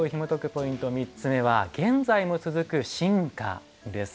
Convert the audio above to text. ポイント３つ目は現在も続く「進化」です。